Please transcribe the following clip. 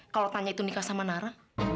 kalau tanya itu nikah sama nara